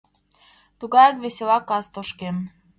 Тугаяк весела кас тошкем.